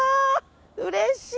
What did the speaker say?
うれしい。